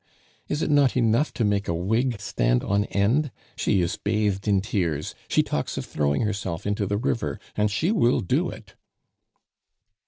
Is it not enough to make a wig stand on end? She is bathed in tears; she talks of throwing herself into the river and she will do it."